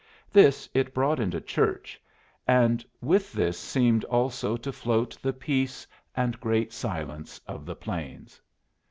This it brought into church, and with this seemed also to float the peace and great silence of the plains.